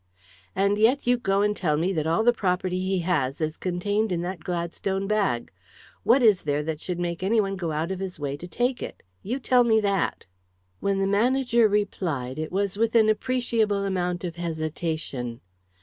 "And yet you go and tell me that all the property he has is contained in that Gladstone bag. What is there that should make any one go out of his way to take it? You tell me that!" When the manager replied, it was with an appreciable amount of hesitation.